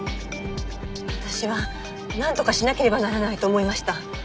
私はなんとかしなければならないと思いました。